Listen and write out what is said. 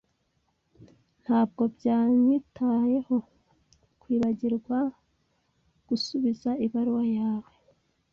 Ntabwo byanyitayeho kwibagirwa gusubiza ibaruwa yawe.